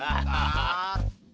dia pasti senang